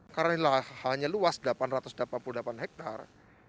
karena ini hanya luas delapan ratus delapan puluh delapan hektare